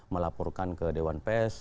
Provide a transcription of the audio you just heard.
melaporkan ke dewan pes